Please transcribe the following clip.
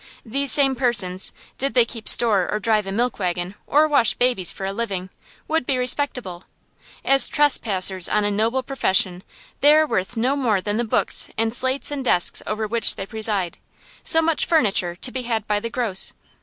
These same persons, did they keep store or drive a milk wagon or wash babies for a living, would be respectable. As trespassers on a noble profession, they are worth no more than the books and slates and desks over which they preside; so much furniture, to be had by the gross.